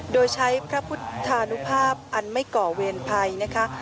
โดยใช้พระพุทธานุภาพอันไม่ก่อเวรภัยนะคะ